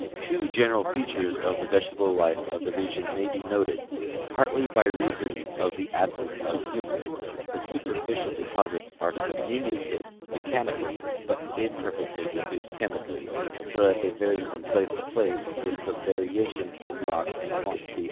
Two general features of the vegetal life of the region may l)e noted : Partly by reason of the absence of humus, the superficial deposits are comminuted mechanically but imperfectly reduced chemically, so that the}^ vaiy from place to place with the varia tion in rocks and quantity